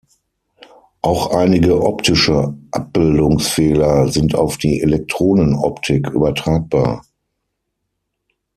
Auch einige optische Abbildungsfehler sind auf die Elektronenoptik übertragbar.